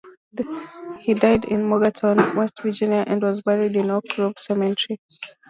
He died in Morgantown, West Virginia and was buried in Oak Grove Cemetery.